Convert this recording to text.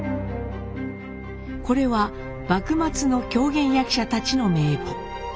これは幕末の狂言役者たちの名簿。